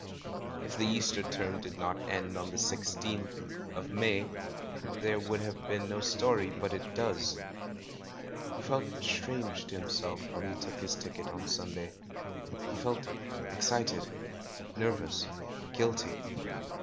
If the Easter Term did not end on the IGth of 396 THE MAN WHO UNDERSTOOD WOMEN May, there would have been no story ; but it does. He felt strange to himself when he took his ticket on Sunday. He felt excited, nervous, guilty.